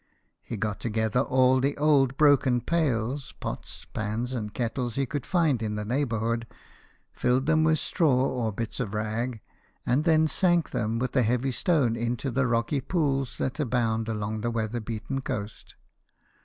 He got together all the old broken pails, pots, pans, and kettles he could find in the neighbourhood, filled them with straw or bits of rag, and then sank them with a heavy stone into the rocky pools that abound along that weather beaten coast.